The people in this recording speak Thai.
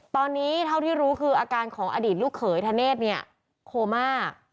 ตอนนี้เท่าที่รู้คืออาการของอดีตลูกเขยธเนศโค้งมาก